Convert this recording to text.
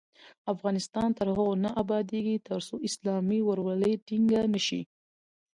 افغانستان تر هغو نه ابادیږي، ترڅو اسلامي ورورولي ټینګه نشي.